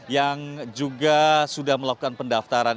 yang juga sudah melakukan pendaftaran